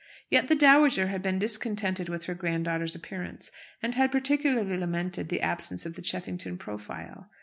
Yet the dowager had been discontented with her grand daughter's appearance, and had particularly lamented the absence of the Cheffington profile.